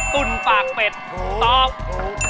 ตุ่นปากเป็ดตอบถูก